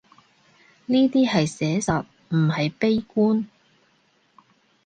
呢啲係寫實，唔係悲觀